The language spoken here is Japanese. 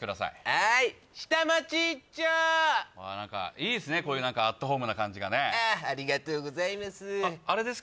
はい下町いっちょ何かいいっすねこういうアットホームな感じがねありがとうございますあれですか？